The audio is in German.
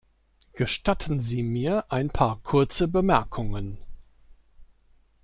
Gestatten Sie mir ein paar kurze Bemerkungen.